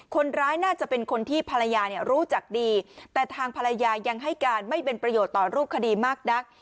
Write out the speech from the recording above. คนร้ายน่าจะเป็นคนที่ภรรยาเนี่ยรู้จักดีแต่ทางภรรยายังให้การไม่เป็นประโยชน์ต่อรูปคดีมากนัก